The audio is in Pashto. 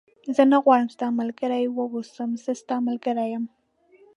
زه نه غواړم ستا ملګری و اوسم، زه ستا ملګری یم.